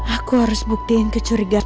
aku harus buktiin kecurigaan